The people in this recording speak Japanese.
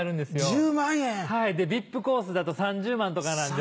１０万円⁉はいでビップコースだと３０万とかなんで。